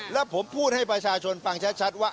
แล้วผมพูดให้ประชาชนฟังชัดว่า